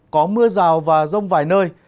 có mưa rào và rông vài nơi